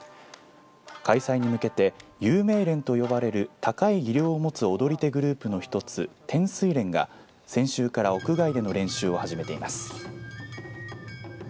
開催に向けて、有名連と呼ばれる高い技量を持つ踊り手グループの１つ天水連が先週から屋外での練習を始めています。